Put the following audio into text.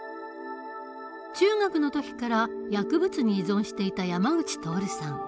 中学の時から薬物に依存していた山口徹さん。